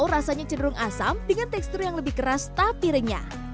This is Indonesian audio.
apel merah lebih kaya kandungan asam dengan tekstur yang lebih keras tapi renyah